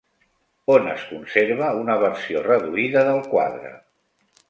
On es conserva una versió reduïda del quadre?